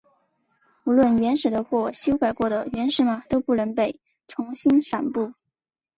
无论原始的或修改过的原始码都不能被重新散布。